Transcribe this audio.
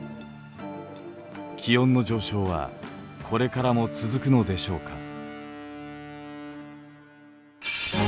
気温の上昇はこれからも続くのでしょうか？